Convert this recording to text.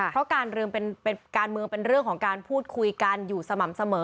เพราะการลืมการเมืองเป็นเรื่องของการพูดคุยกันอยู่สม่ำเสมอ